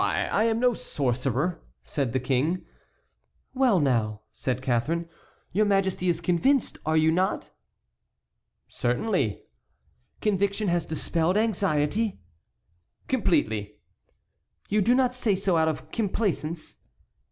I am no sorcerer," said the King. "Well, now," said Catharine, "your Majesty is convinced, are you not?" "Certainly." "Conviction has dispelled anxiety?" "Completely." "You do not say so out of complaisance?"